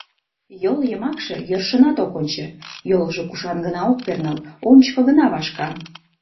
Йол йымакше йӧршынат ок ончо, йолжо кушан гына ок перныл, ончыко гына вашка.